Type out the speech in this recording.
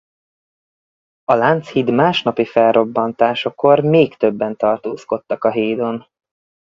A Lánchíd másnapi felrobbantásakor még többen tartózkodtak a hídon.